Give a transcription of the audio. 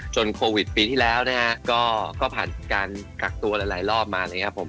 จนโควิดปีที่แล้วนะครับก็ผ่านการกักตัวหลายรอบมาแล้วนะครับผม